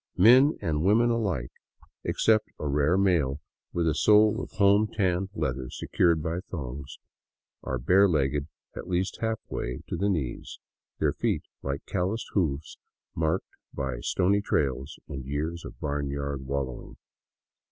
Men and women alike, except a rare male with a scle of home tanned 149 VAGABONDING DOWN THE ANDES leather secured by thongs, are bare legged at least halfway to the knees, their feet, like calloused hoofs, marked by stony trails and years of barnyard wallowing.